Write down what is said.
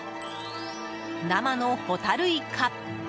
生のホタルイカ。